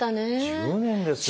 １０年ですよ。